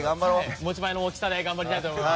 持ち前の大きさで頑張りたいと思います。